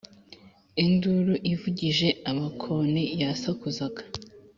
Induru ivugije abakoni ya sakuzaga